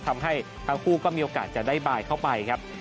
ทำให้ทั้งคู่ก็มีโอกาสจะได้บายเข้าไปครับ